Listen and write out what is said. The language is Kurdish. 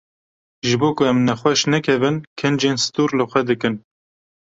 Ji bo ku em nexweş nekevin, kincên stûr li xwe dikin.